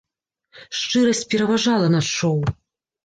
Шчырасць пераважала над шоу.